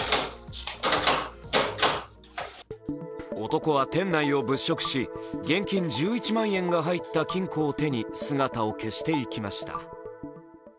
男は店内を物色し、現金１１万円が入った金庫を手に姿を消していきました。